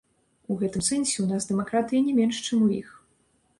У гэтым сэнсе ў нас дэмакратыі не менш, чым у іх.